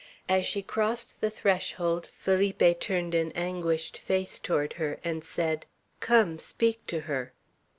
As she crossed the threshold, Felipe turned an anguished face toward her, and said, "Come, speak to her."